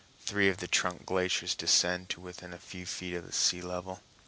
Three of the trunk glaciers descend to within a few feet of the sea level.